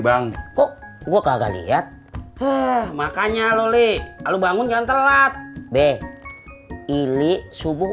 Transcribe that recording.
bang kok gua kagak lihat eh makanya lolly kalau bangun jangan telat be ilik subuh